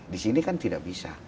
di sini kan tidak bisa